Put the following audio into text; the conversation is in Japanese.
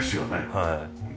はい。